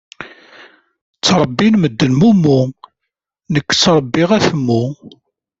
Ttrebbin medden mummu, nekk ttrebbiɣ atemmu.